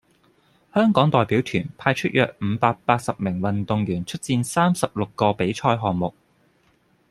香港代表團派出約五百八十名運動員出戰三十六個比賽項目